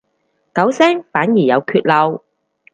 九聲反而有缺漏